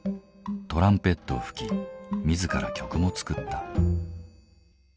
トランペットを吹き自ら曲も作った。